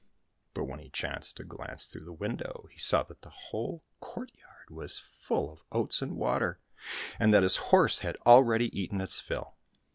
But when he chanced to glance through the window, he saw that the whole courtyard was full of oats and water, and that his horse had already eaten its fill.